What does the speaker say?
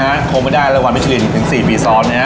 อ่ะคงไม่ได้ระวังวิชลินถึง๔ปีซ้อน